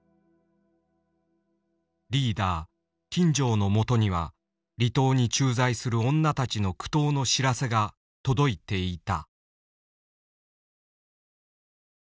リーダー金城のもとには離島に駐在する女たちの苦闘の知らせが届いていた。